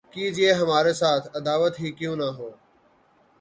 کیجئے ہمارے ساتھ‘ عداوت ہی کیوں نہ ہو